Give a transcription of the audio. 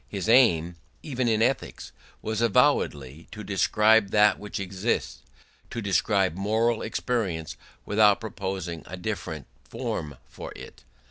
His aim, even in ethics, was avowedly to describe that which exists, to describe moral experience, without proposing a different form for it.